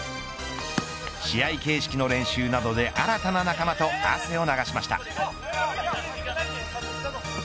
試合形式の練習などで新たな仲間と汗を流しました。